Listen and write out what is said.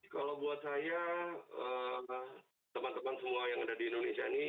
kalau buat saya teman teman semua yang ada di indonesia ini